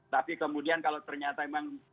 tapi kemudian kalau ternyata memang